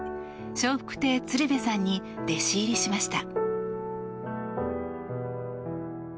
笑福亭鶴瓶さんに弟子入りしました。